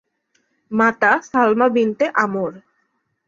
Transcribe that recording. মাতা সালমা বিনতে আমর।